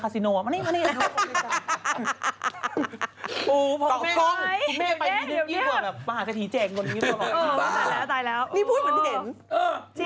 ความผิดพูดเหมือนกันเหยื่อ